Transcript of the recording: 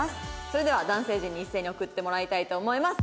それでは男性陣に一斉に送ってもらいたいと思います。